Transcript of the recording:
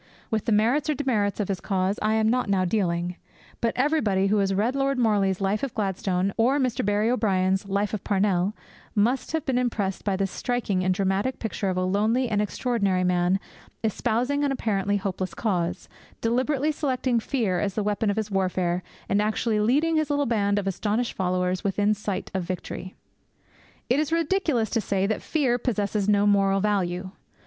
With the merits or demerits of his cause I am not now dealing; but everybody who has read Lord Morley's Life of Gladstone or Mr. Barry O'Brien's Life of Parnell must have been impressed by this striking and dramatic picture of a lonely and extraordinary man espousing an apparently hopeless cause, deliberately selecting fear as the weapon of his warfare, and actually leading his little band of astonished followers within sight of victory. It is ridiculous to say that fear possesses no moral value.